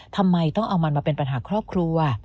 ทำไมต้องเอามันมาเป็นปัญหาครอบครัว